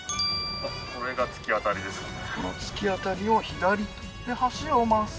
これが突き当たりですかね